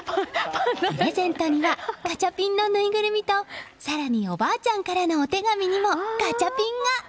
プレゼントにはガチャピンのぬいぐるみと更におばあちゃんからのお手紙にもガチャピンが。